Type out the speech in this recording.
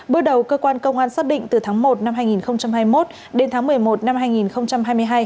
bước đầu cơ quan công an xác định từ tháng một năm hai nghìn hai mươi một đến tháng một mươi một năm hai nghìn hai mươi hai